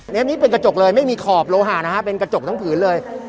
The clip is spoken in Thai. นี้เป็นกระจกเลยไม่มีขอบโลหะนะฮะเป็นกระจกทั้งผืนเลย